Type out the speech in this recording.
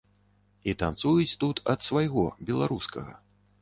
І танцуюць тут ад свайго, беларускага.